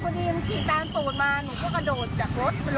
ใช้อาวุธมีดมันบ้าด้วยพี่